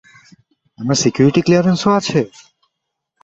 আমার সিকিউরিটি ক্লিয়ারেন্সও আছে?